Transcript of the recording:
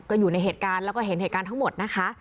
ก็อยู่ในเหตุการณ์แล้วก็เห็นเหตุการณ์ทั้งหมดนะคะ